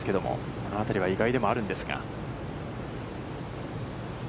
このあたりは意外でもあるんですが。